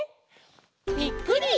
ぴっくり！